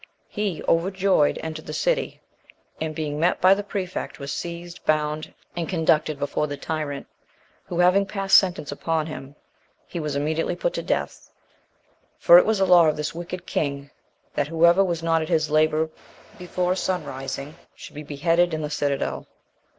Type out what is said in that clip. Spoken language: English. He, overjoyed, entered the city, and being met by the prefect, was seized, bound, and conducted before the tyrant, who having passed sentence upon him, he was immediately put to death; for it was a law of this wicked king, that whoever was not at his labour before sun rising should be beheaded in the citadel.